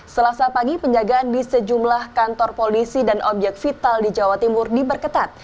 selasa pagi penjagaan di sejumlah kantor polisi dan obyek vital di jawa timur diperketat